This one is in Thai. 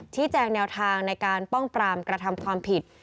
แจ้งแนวทางในการป้องปรามกระทำความผิด